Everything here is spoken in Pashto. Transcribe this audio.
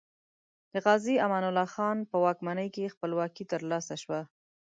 د غازي امان الله خان په واکمنۍ کې خپلواکي تر لاسه شوه.